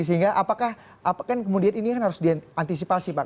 sehingga apakah apakah kemudian ini harus diantisipasi pak